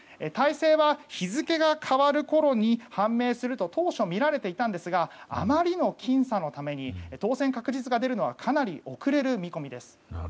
大勢は日付が変わるころに判明すると当初はみられていたんですがあまりの僅差のために当選確実が出るのはかなり遅れる見込みです。